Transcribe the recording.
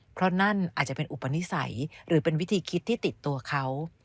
เพราะนั่นอาจจะเป็นอุปนิสัยหรือเป็นวิธีคิดที่ติดตัวเขา